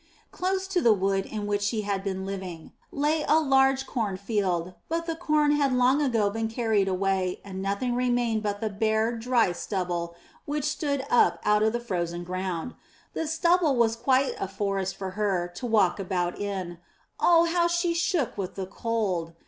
Close to the wood in which she had been living 419 M Y BOOK HOUSE lay a large cornfield, but the corn had long ago been carried away and nothing remained but the bare, dry stubble which stood up out of the frozen ground. The stubble was quite a forest for her to walk about in; oh, how she shook with the cold!